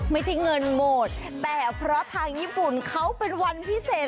ไม่ใช่เงินหมดแต่เพราะทางญี่ปุ่นเขาเป็นวันพิเศษ